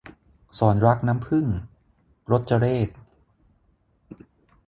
ศรรักน้ำผึ้ง - รจเรข